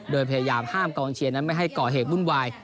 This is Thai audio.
โดยพยายามห้ามกองเชียร์นั้นไม่ให้ก่อเหตุวุ่นวาย